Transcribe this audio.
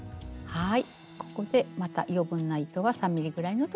はい。